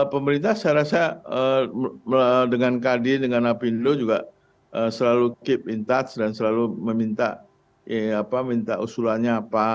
pemerintah saya rasa dengan kadin dengan apindo juga selalu keep in touch dan selalu meminta usulannya apa